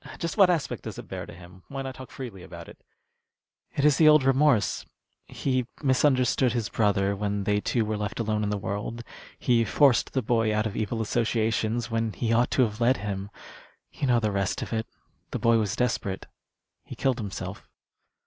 "Just what aspect does it bear to him? Why not talk freely about it?" "It is the old remorse. He misunderstood his brother when they two were left alone in the world. He forced the boy out of evil associations when he ought to have led him. You know the rest of it. The boy was desperate. He killed himself."